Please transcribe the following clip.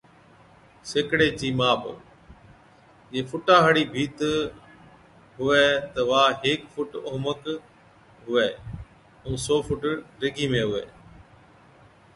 سيڪڙي چِي ماپ، جي فُٽا هاڙِي ڀِيت هُوَي تہ وا هيڪ فُٽ اوهمڪ هُوَي ائُون سئو فُٽ ڊيگھِي ۾ هُوَي